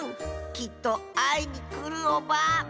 きっとあいにくるオバ。